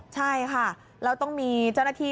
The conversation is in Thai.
ใช่ค่ะแล้วต้องมีเจ้าหน้าที่